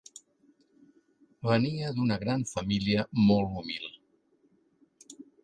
Venia d'una gran família molt humil.